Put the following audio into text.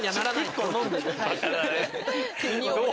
結構飲んでる。